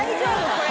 これ。